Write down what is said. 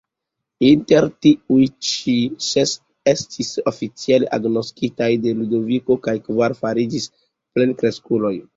Inter tiuj ĉi, ses estis oficiale agnoskitaj de Ludoviko kaj kvar fariĝis plenkreskuloj.